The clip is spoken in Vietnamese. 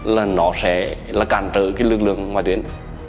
là nó sẽ cản trở lực lượng ngoại tuyến